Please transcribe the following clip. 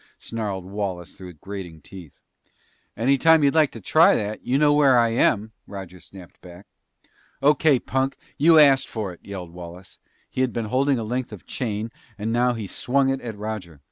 snarled Wallace through grating teeth. "Any time you'd like to try that, you know where I am," Roger snapped back. "Okay, punk! You asked for it," yelled Wallace. He had been holding a length of chain and now he swung it at Roger.